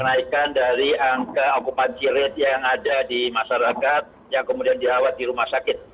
kenaikan dari angka okupansi rate yang ada di masyarakat yang kemudian dirawat di rumah sakit